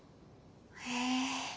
へえ。